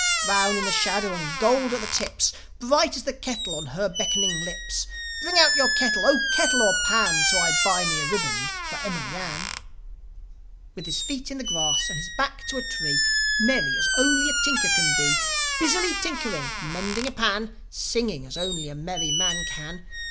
Brown in the shadow and gold at the tips, Bright as the smile on her beckoning lips. Bring out your kettle! 0 kettle or pan! So I buy me a ribband for Emily Ann." With his feet in the grass, and his back to a tree, Merry as only a tinker can be, Busily tinkering, mending a pan, Singing as only a merry man can